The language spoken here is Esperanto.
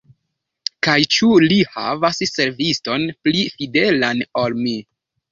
Kaj ĉu li havas serviston pli fidelan ol mi?